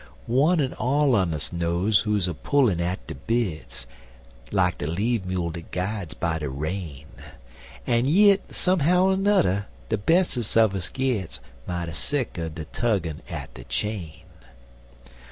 One en all on us knows who's a pullin' at de bits Like de lead mule dat g'ides by de rein, En yit, somehow or nudder, de bestest un us gits Mighty sick er de tuggin' at de chain.